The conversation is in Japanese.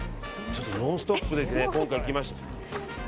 「ノンストップ！」で今回来ましたね。